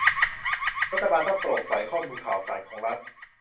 รัฐบาลต้องโปร่งใส ข้อมูลข่าวสารของรัฐ